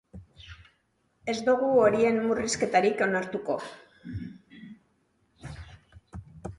Ez dugu horien murrizketarik onartuko.